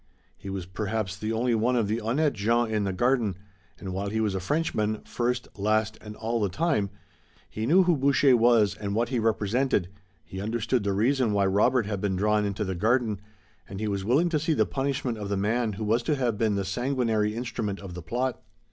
He was perhaps the only one of the honnêtes gens in the garden, and while he was a Frenchman, first, last and all the time, he knew who Boucher was and what he represented, he understood the reason why Robert had been drawn into the garden and he was willing to see the punishment of the man who was to have been the sanguinary instrument of the plot.